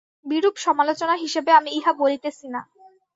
বিরূপ সমালোচনা হিসাবে আমি ইহা বলিতেছি না।